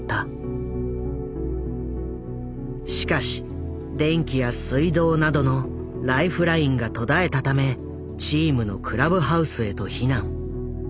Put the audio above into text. しかし電気や水道などのライフラインが途絶えたためチームのクラブハウスへと避難。